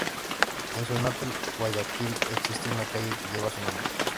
En su natal Guayaquil, existe una calle que lleva su nombre.